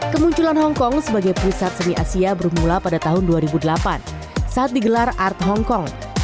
kemunculan hong kong sebagai pusat seni asia bermula pada tahun dua ribu delapan saat digelar art hong kong